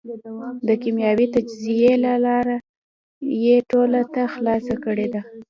د کېمیاوي تجزیې لاره یې ټولو ته خلاصه کړېده.